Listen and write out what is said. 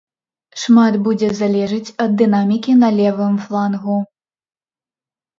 Шмат будзе залежыць ад дынамікі на левым флангу.